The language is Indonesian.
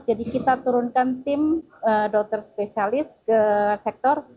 jadi kita turunkan tim dokter spesialis ke sektor